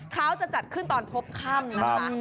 เท้าจะจัดขึ้นตอนพบค่ำนั้นฮะ